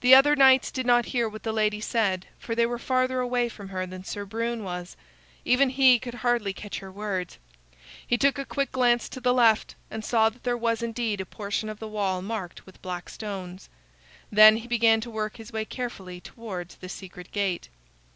The other knights did not hear what the lady said, for they were farther away from her than Sir Brune was. Even he could hardly catch her words. He took a quick glance to the left and saw that there was indeed a portion of the wall marked with black stones. Then he began to work his way carefully towards the secret gate.